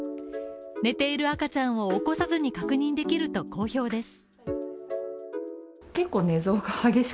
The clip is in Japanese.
寝ている赤ちゃんを起こさずに確認できると好評です。